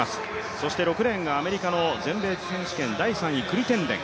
そして６レーンがアメリカの全米選手権第３位、クリッテンデン。